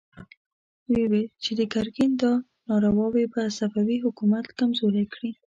ويې ويل چې د ګرګين دا نارواوې به صفوي حکومت کمزوری کړي.